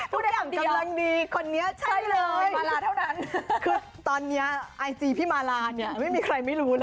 พูดอย่างกำลังดี